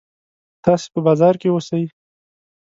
تاسې په بازار کې اوسئ.